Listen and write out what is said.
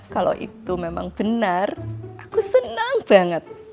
kalau itu memang benar aku senang banget